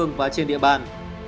ngoại truyền thông tin